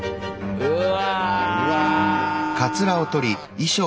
うわ！